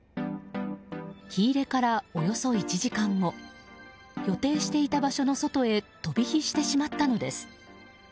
火入れからおよそ１時間後予定していた場所の外へ飛び火してしまったのです。